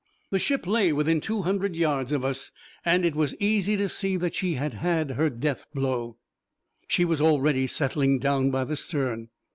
The ship lay within two hundred yards of us, and it was easy to see that she had her death blow. She was already settling down by the stern.